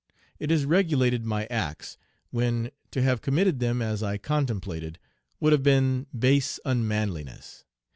It has regulated my acts when to have committed them as I contemplated would have been base unmanliness.